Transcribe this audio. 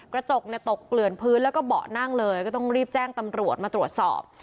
กระจกเนี่ยตกเกลื่อนพื้นแล้วก็เบาะนั่งเลยก็ต้องรีบแจ้งตำรวจมาตรวจสอบ